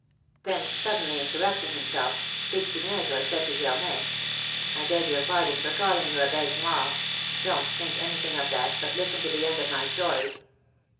'" Then suddenly interrupting himself, Pique Vinaigre said to Germain, "I beg your pardon for calling you a bête noire. Don't, think anything of that, but listen to the end of my story."